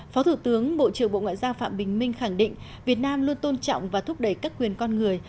phó thủ tướng bộ trưởng bộ ngoại giao phạm bình minh khẳng định việt nam luôn tôn trọng và thúc đẩy các quyền con người